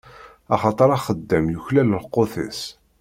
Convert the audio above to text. Axaṭer axeddam yuklal lqut-is.